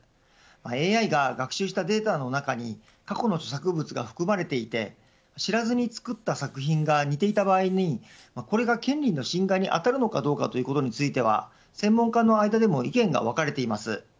ＡＩが学習したデータの中に過去の著作物が含まれていて知らずに作った作品が似ていた場合にこれが権利の侵害に当たるのかどうかということについては専門家の間でも意見が分かれています。